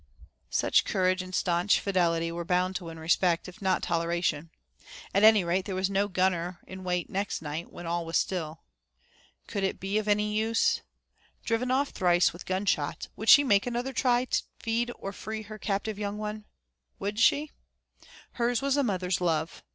Such courage and stanch fidelity were bound to win respect, if not toleration. At any rate, there was no gunner in wait next night, when all was still. Could it be of any use? Driven off thrice with gunshots, would she make another try to feed or free her captive young one? Would she? Hers was a mother's love.